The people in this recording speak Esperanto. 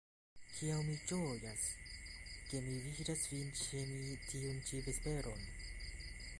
Kiel mi ĝojas, ke mi vidas vin ĉe mi tiun ĉi vesperon.